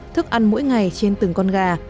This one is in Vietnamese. thức ăn mỗi ngày trên từng con gà